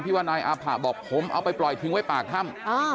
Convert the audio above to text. ว่านายอาผะบอกผมเอาไปปล่อยทิ้งไว้ปากถ้ำ